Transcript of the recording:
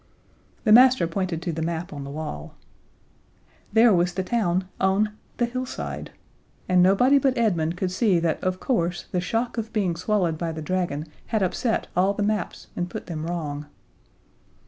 The master pointed to the map on the wall. There was the town, on the hillside! And nobody but Edmund could see that of course the shock of being swallowed by the dragon had upset all the maps and put them wrong.